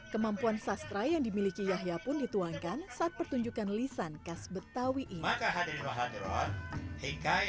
kemampuan sastra yang dimiliki yahya pun dituangkan saat pertunjukan lisan khas betawi ini